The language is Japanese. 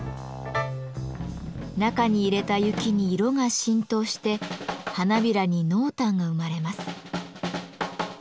中に入れた雪に色が浸透して花びらに濃淡が生まれます。